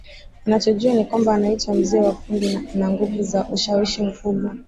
Anachojua ni kwamba anaitwa mzee wa ufundi na ana nguvu za ushawishi mkubwa